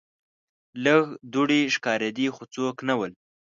لږ دوړې ښکاریدې خو څوک نه ول.